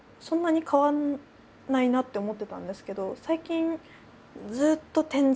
そんなに変わんないなって思ってたんですけど。